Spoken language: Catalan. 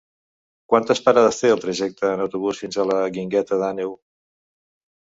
Quantes parades té el trajecte en autobús fins a la Guingueta d'Àneu?